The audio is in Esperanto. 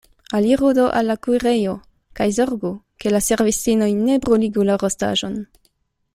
Aliru do al la kuirejo, kaj zorgu, ke la servistinoj ne bruligu la rostaĵon.